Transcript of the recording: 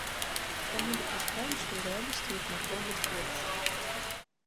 Таму дапускаем, што ў рэальнасці іх магло быць больш.